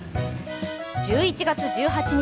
１１月１８日